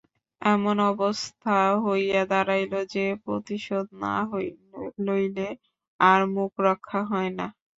এমন অবস্থা হইয়া দাঁড়াইল যে, প্রতিশোধ না লইলে আর মুখ রক্ষা হয় না।